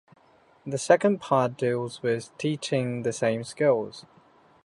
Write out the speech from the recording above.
The second part deals with teaching the same skills.